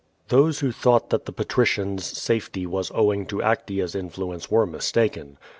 'JMiose who thought that the patricians' safety was owing to Actea's iniluence were mistaken.